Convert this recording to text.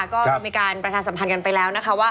ก็มีการประชาสัมพันธ์กันไปแล้วนะคะว่า